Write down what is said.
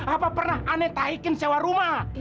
apa pernah aneh taikin sewa rumah